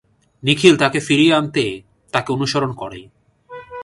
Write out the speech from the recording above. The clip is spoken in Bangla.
নিখিল তাকে ফিরিয়ে আনতে তাকে অনুসরণ করে।